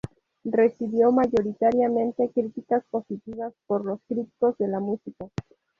Recibió mayoritariamente críticas positivas por los críticos de la música.